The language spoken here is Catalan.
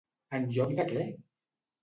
En lloc de què?